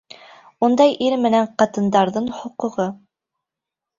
Унда ир менән ҡатындарҙың хоҡуғы...